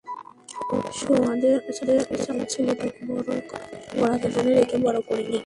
শুন আমার ছেলেকে কড়া শাসন রেখে বড় করিনি।